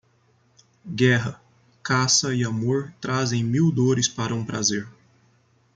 Guerra, caça e amor trazem mil dores para um prazer.